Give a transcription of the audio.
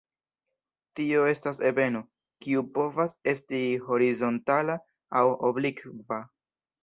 Tio estas ebeno, kiu povas esti horizontala aŭ oblikva.